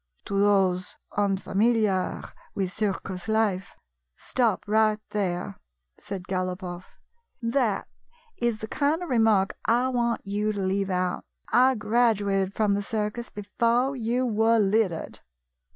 To those unfamiliar with circus life— 3 "" Stop right there," said Galopoff. " That is the kind of remark I want you to leave out. I graduated from the circus before you were lit tered."